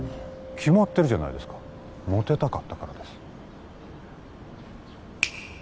決まってるじゃないですかモテたかったからです